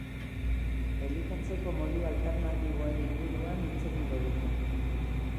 Elikatzeko modu alternatiboen inguruan hitz egingo dute.